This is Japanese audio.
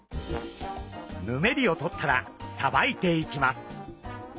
ヌメリをとったらさばいていきます。